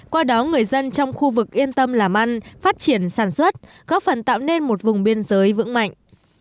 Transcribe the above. qua đó người dân trong khu vực yên tâm làm ăn phát triển sản xuất góp phần tạo nên một vùng biên giới vững mạnh